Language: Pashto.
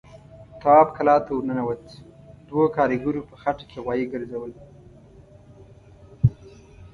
تواب کلا ته ور ننوت، دوو کاريګرو په خټه کې غوايي ګرځول.